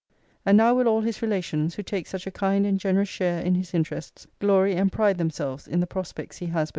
* And now will all his relations, who take such a kind and generous share in his interests, glory and pride themselves in the prospects he has before him.'